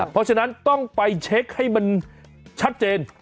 เพราะฉะนั้นต้องไปเช็คให้มันชัดเจน